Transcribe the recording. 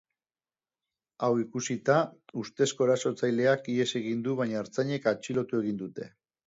Hau ikusita, ustezko erasotzaileak ihes egin du baina ertzainek atxilotu egin dute.